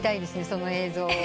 その映像を。